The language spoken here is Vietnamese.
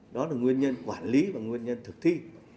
đó là nguyên nhân quản lý và nguyên nhân thực thi